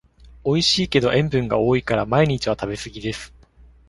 おいしいけど塩分が多いから毎日は食べすぎです